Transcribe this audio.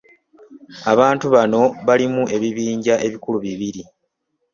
Abantu bano balimu ebibinja ebikulu bibiri.